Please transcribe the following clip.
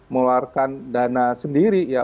mengeluarkan dana sendiri ya